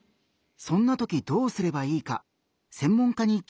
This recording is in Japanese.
そんなときどうすればいいか専門家に聞いてみたよ。